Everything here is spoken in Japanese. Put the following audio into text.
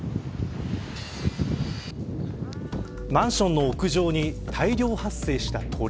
マンションの屋上に大量発生した鳥。